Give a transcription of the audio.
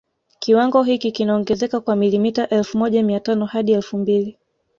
Kiwango hiki kinaongezeka kwa milimita elfu moja mia tano hadi elfu mbili